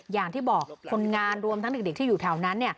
อย่างที่บอกคนงานรวมทั้งเด็กที่อยู่แถวนั้น